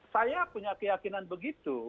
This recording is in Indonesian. saya punya keyakinan begitu